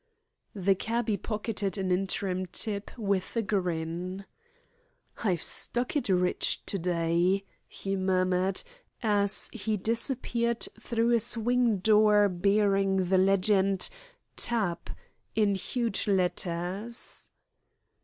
The cabby pocketed an interim tip with a grin. "I've struck it rich to day," he murmured, as he disappeared through a swing door bearing the legend, "Tap," in huge letters.